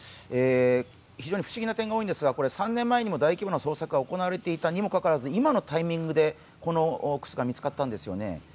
不思議な点が多いんですが３年前にも大規模な捜索が行われていたにもかかわらず、今のタイミングでこの靴が見つかったんですよね。